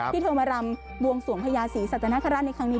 ที่เธอมารำบวงสวงพญาศรีสัตนคราชในครั้งนี้